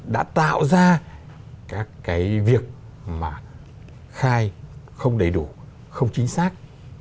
đã tạo ra các cái việc mà khai không đầy đủ không chính xác